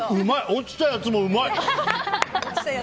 落ちたやつもうまい！